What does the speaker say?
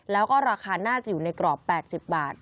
แล้วก็ราคาน่าจะอยู่ในกรอบ๘๐บาท